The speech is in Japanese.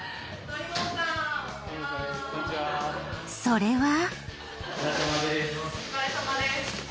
それは。